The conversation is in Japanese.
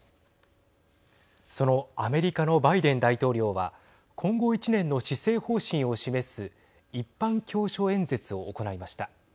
そのアメリカのバイデン大統領は今後１年の施政方針を示す一般教書演説を行いました。